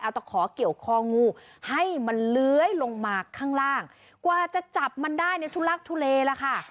เอาตะขอเกี่ยวคองูให้มันเลื้อยลงมาข้างล่างกว่าจะจับมันได้เนี่ยทุลักทุเลล่ะค่ะ